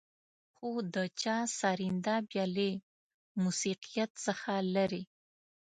خو د چا سرېنده بيا له موسيقيت څخه لېرې.